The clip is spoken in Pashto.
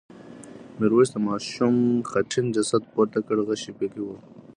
میرويس د ماشوم خټین جسد پورته کړ غشی پکې و.